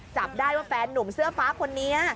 จับได้ว่าแฟนนุ่มเสื้อฟ้าคนนี้